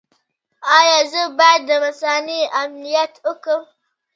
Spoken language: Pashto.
ایا زه باید د مثانې عملیات وکړم؟